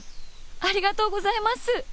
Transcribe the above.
ありがとうございます。